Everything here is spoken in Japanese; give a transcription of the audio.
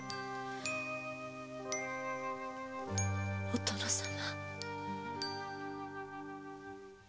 お殿様！